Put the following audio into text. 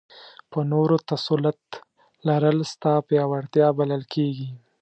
په نورو تسلط لرل ستا پیاوړتیا بلل کېږي.